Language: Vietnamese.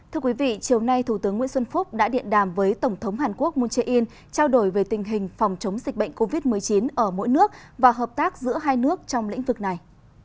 thưa quý vị chiều nay thủ tướng nguyễn xuân phúc đã điện đàm với tổng thống hàn quốc moon jae in trao đổi về tình hình phòng chống dịch bệnh covid một mươi chín ở mỗi nước và hợp tác giữa hai nước trong lĩnh vực này